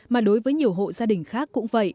mà đối với nhiều hộ gia đình khác cũng vậy